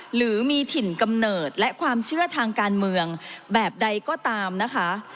หรือมีถิ่นกำเนิดและความเชื่อทางการเมืองแบบใดก็ตามนะคะ